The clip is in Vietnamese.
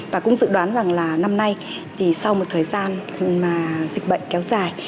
và cũng dự đoán rằng là năm nay sau một thời gian dịch bệnh kéo dài